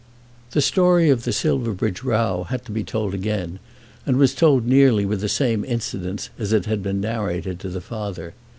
The story of the Silverbridge row had to be told again, and was told nearly with the same incidents as had been narrated to the father.